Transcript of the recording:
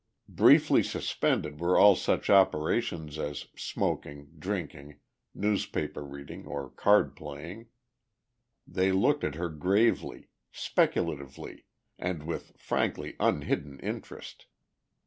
Briefly suspended were all such operations as smoking, drinking, newspaper reading or card playing. They looked at her gravely, speculatively and with frankly unhidden interest.